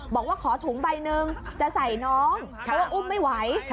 บอกว่าขอถุงใบหนึ่งจะใส่น้องเพราะว่าอุ้มไม่ไหว